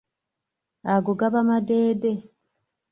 Ago gaba amadeede.